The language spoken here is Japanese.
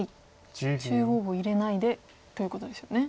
中央を入れないでということですよね。